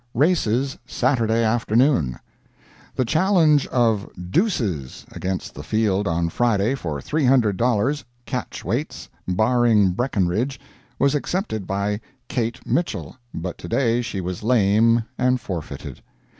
RACES SATURDAY AFTERNOON The challenge of "Deuces" against the field on Friday, for $300, catch weights, barring "Breckinridge," was accepted by "Kate Mitchell," but to day she was lame and forfeited.